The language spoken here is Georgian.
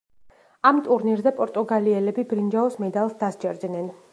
ამ ტურნირზე პორტუგალიელები ბრინჯაოს მედალს დასჯერდნენ.